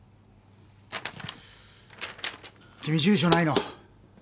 君住所ないの？